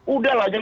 udah lah jangan